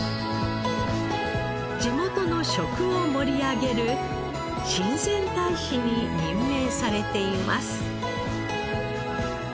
地元の食を盛り上げる親善大使に任命されています。